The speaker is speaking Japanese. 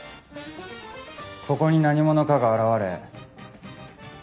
ここに何者かが現れ。